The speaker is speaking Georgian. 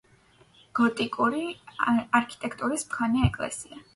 გოტიკური არქიტექტურის მქონე ეკლესია.